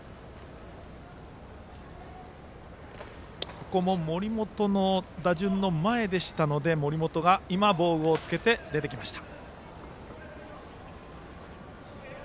ここも森本の打順の前でしたので森本が今、防具を着けて出てきました。